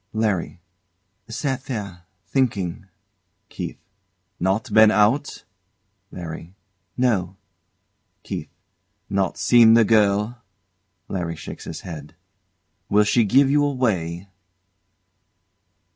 LARRY. Sat there thinking. KEITH. Not been out? LARRY. No. KEITH. Not seen the girl? [LARRY shakes his head.] Will she give you away?